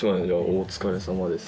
お疲れさまです